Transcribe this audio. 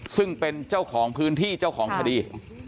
ซึ่งเป็นเจ้าของพื้นที่เจ้าของคดี